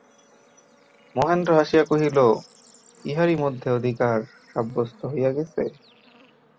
মহেন্দ্র হাসিয়া কহিল, ইহারই মধ্যে অধিকার সাব্যস্ত হইয়া গেছে?